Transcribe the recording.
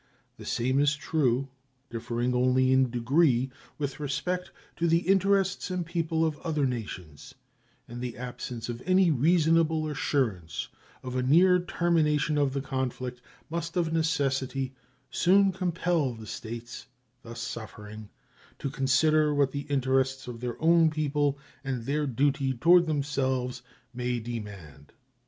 The same is true, differing only in degree, with respect to the interests and people of other nations; and the absence of any reasonable assurance of a near termination of the conflict must of necessity soon compel the States thus suffering to consider what the interests of their own people and their duty toward themselves may demand.